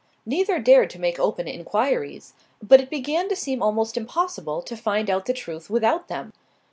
Neither dared to make open inquiries, but it began to seem almost impossible to find out the truth without them.